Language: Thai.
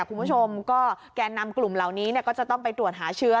คุณผู้ชมก็แก่นำกลุ่มเหล่านี้ก็จะต้องไปตรวจหาเชื้อ